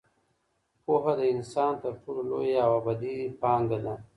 پوهه د انسان تر ټولو لویه او ابدي پانګه ده.